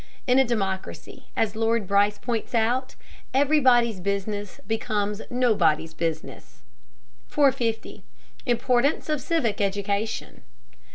In a democracy, as Lord Bryce points out, "everybody's business becomes nobody's business." 450. IMPORTANCE OF CIVIC EDUCATION.